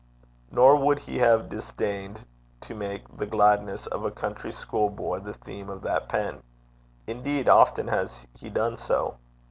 Nor would he have disdained to make the gladness of a country school boy the theme of that pen. Indeed, often has he done so.